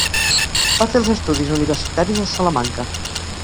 Va fer els estudis universitaris a Salamanca.